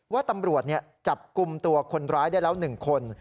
ว่าตำรวจจับกลุ่มตัวคนร้ายได้แล้ว๑คน